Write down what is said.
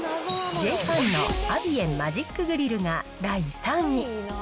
ジェイファンのアビエン・マジックグリルが第３位。